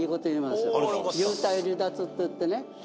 幽体離脱っていってね